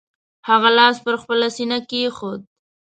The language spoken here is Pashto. هغه لاس پر خپله سینه کېښود.